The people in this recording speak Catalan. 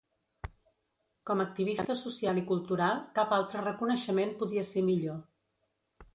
Com activista social i cultural cap altra reconeixement podia ser millor.